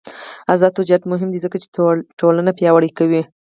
آزاد تجارت مهم دی ځکه چې ټولنه پیاوړې کوي.